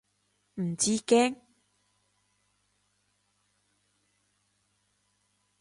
唔知驚？